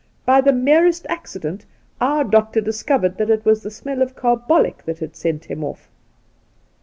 By the merest accident our doctor discovered that it tpas the smell of carbolic that sent him ofi".